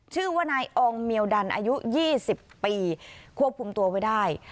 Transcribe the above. ชื่อว่านายอองเมียวดันอายุ๒๐ปีควบคุมตัวไว้ได้